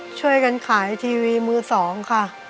ช่วยกันขายทีวีมือสองค่ะ